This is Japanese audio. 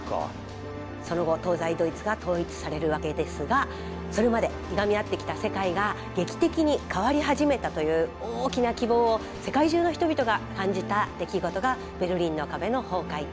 その後東西ドイツが統一されるわけですがそれまでいがみ合ってきた世界が劇的に変わり始めたという大きな希望を世界中の人々が感じた出来事がベルリンの壁の崩壊。